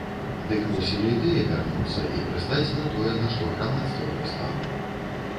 Дык мусілі і тыя вярнуцца і прыстаць на тое, на што грамада прыстала.